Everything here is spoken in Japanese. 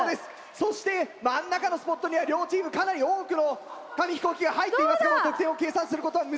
そして真ん中のスポットには両チームかなり多くの紙飛行機が入っていますが得点を計算することは難しくなっています。